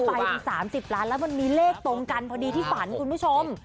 ไปถึง๓๐ล้านแล้วมันมีเลขตรงกันพอดีที่ฝันคุณผู้ชม